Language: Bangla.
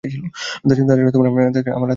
তাছাড়া আমার হাতেরও বারোটা বাজিয়েছিলে।